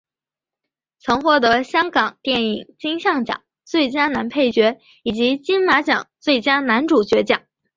曾获得香港电影金像奖最佳男配角以及金马奖最佳男主角奖。